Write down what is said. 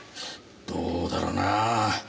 どうだろうな。